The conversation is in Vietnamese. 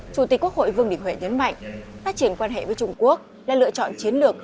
chủ tịch quốc hội vương đình huệ nhấn mạnh phát triển quan hệ với trung quốc là lựa chọn chiến lược